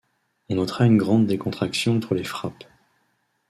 On notera une grande décontraction entre les frappes.